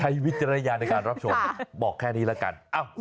วิจารณญาณในการรับชมบอกแค่นี้แล้วกัน